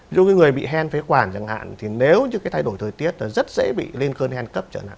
ví dụ như người bị hen phế quản nếu thay đổi thời tiết thì rất dễ bị lên cơn hen cấp trở nặng